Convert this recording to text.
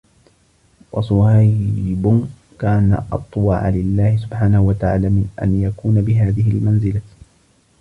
وَصُهَيْبٌ كَانَ أَطَوْعَ لِلَّهِ سُبْحَانَهُ وَتَعَالَى مِنْ أَنْ يَكُونَ بِهَذِهِ الْمَنْزِلَةِ